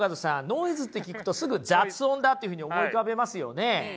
ノイズって聞くとすぐ雑音だというふうに思い浮かべますよね。